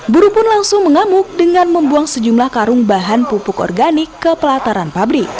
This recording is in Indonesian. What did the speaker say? buruh pun langsung mengamuk dengan membuang sejumlah karung bahan pupuk organik ke pelataran pabrik